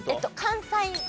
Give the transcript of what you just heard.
関西。